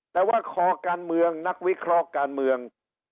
แต่ว่าคอการเมืองนักวิเคราะห์การเมือง